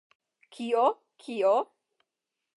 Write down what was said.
Kio? Kio?